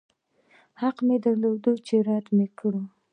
حق مې هم درلود چې رد يې کړم.